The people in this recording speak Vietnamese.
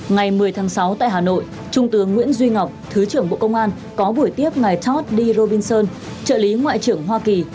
ngày một mươi tháng sáu tại hà nội trung tướng nguyễn duy ngọc thứ trưởng bộ công an có buổi tiếp ngài tald di robinson trợ lý ngoại trưởng hoa kỳ